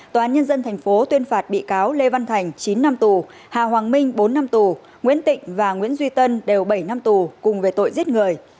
tòa án nhân dân tp tuyên phạt bị cáo lê văn thành chín năm tù hà hoàng minh bốn năm tù nguyễn tịnh và nguyễn duy tân đều bảy năm tù cùng về tội giết người